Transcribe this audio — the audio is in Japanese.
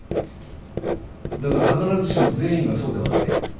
だが必ずしも全員がそうではない。